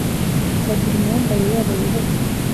bagira imyambarire yabo yihariye